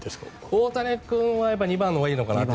大谷君は２番のほうがいいのかなと。